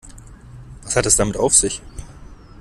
Was hat es damit auf sich?